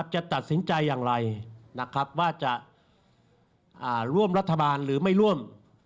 จะตัดสินใจอย่างไรนะครับว่าจะร่วมรัฐบาลหรือไม่ร่วม